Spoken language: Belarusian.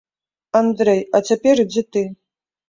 Андрэй, а цяпер ідзі ты.